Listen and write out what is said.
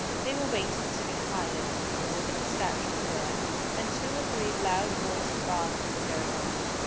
They were waiting to be hired, as if in a statute fair, and two or three loud voiced bargains were going on.